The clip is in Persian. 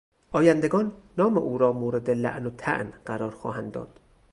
آیندگان نام او را مورد لعن و طعن قرار خواهند داد.